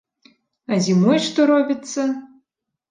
А зімой што робіцца!